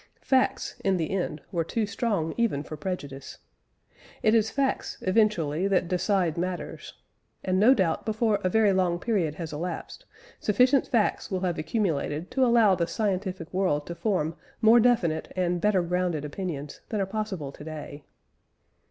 Facts, in the end, were too strong even for prejudice. It is facts, eventually, that decide matters; and, no doubt, before a very long period has elapsed, sufficient facts will have accumulated to allow the scientific world to form more definite and better grounded opinions than are possible to day.